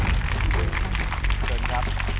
เชิญครับ